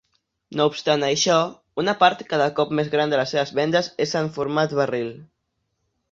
No obstant això, una part cada cop més gran de les seves vendes és en format barril.